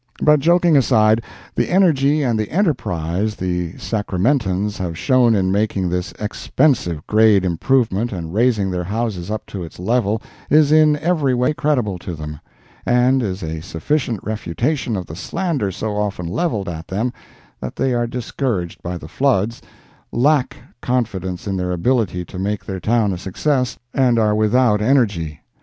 But joking aside, the energy and the enterprise the Sacramentans have shown in making this expensive grade improvement and raising their houses up to its level is in every way creditable to them, and is a sufficient refutation of the slander so often leveled at them that they are discouraged by the floods, lack confidence in their ability to make their town a success, and are without energy.